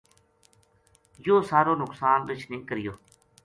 یوہ سارو نقصان رچھ نے کریو